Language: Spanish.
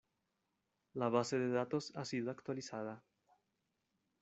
La base de datos ha sido actualizada.